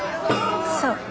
そう。